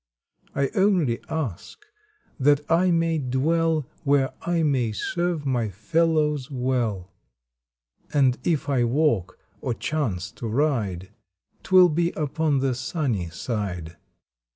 I only ask that I may dwell Where I may serve my fellows well, And if I walk, or chance to ride, Twill be upon the sunny side.